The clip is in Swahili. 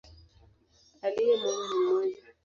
Aliye mwema ni mmoja.